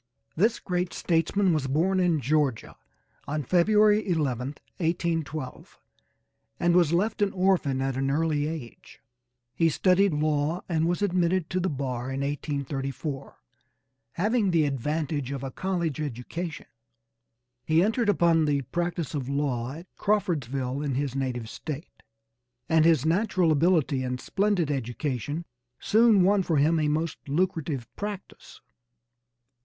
This great statesman was born in Georgia on February 11, 1812, and was left an orphan at an early age. He studied law and was admitted to the bar in 1834, having the advantage of a college education. He entered upon the practice of law at Crawfordsville in his native State, and his natural ability and splendid education soon won for him a most lucrative practice.